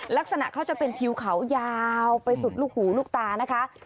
ลักษณะเขาจะเป็นทิวเขายาวไปสุดลูกหูลูกตานะคะ